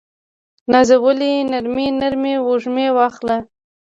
نازولې نرمې، نرمې وږمې واخله